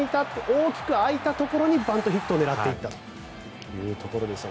大きく空いたところにバントヒットを狙っていったというところでしたが。